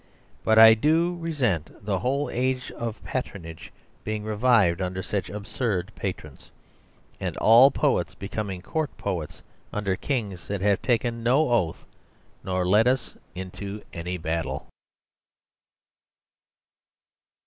But I do resent the whole age of patronage being revived under such absurd patrons; and all poets becoming court poets, under kings that have taken no oath, nor led us into any battle.